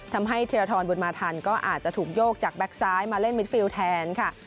ทำให้เทียร์ทอนบุญมาทันก็อาจจะถูกโยกจากแบ็คซ้ายมาเล่นมิดฟิล์ดแทนค่ะ